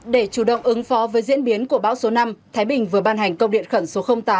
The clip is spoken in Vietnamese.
để chủ động ứng phó với diễn biến của bão số năm thái bình vừa ban hành công điện khẩn số tám